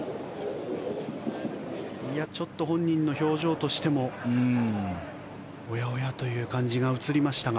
ちょっと本人の表情としてもおやおやという感じが映りましたが。